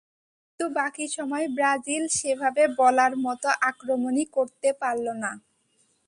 কিন্তু বাকি সময় ব্রাজিল সেভাবে বলার মতো আক্রমণই করতে পারল না।